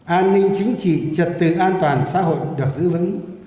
an ninh chính trị trật tự an toàn xã hội được giữ vững